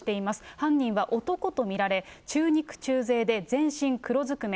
犯人は男と見られ、中肉中背で全身黒ずくめ。